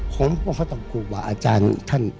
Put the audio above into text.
ผมก็ต้องคูปอาจารย์ท่าน